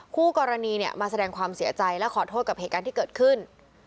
คู่กรณีมาแสดงความเสียใจและขอโทษกับเหตุการณ์ที่เกิดขึ้น